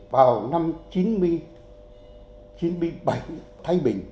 vào năm chín mươi bảy thái bình